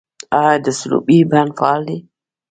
آیا د سروبي بند فعال دی؟